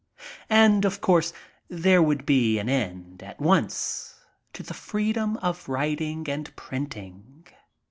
And, of course, there would be an end, at once, to the freedom of ipriting and printing.